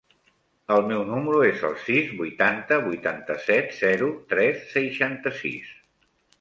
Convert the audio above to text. El meu número es el sis, vuitanta, vuitanta-set, zero, tres, seixanta-sis.